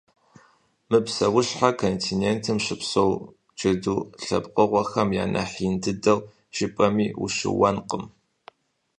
Мы псэущхьэр континентым щыпсэу джэду лъэпкъыгъуэхэм я нэхъ ин дыдэу жыпӏэми, ущыуэнкъым.